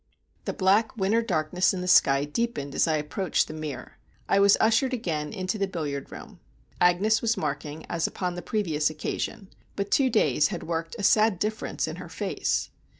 The black winter darkness in the sky deepened as I approached The Mere. I was ushered again into the billiard room. Agnes was marking, as upon the previous occasion, but two days had worked a sad difference in her face.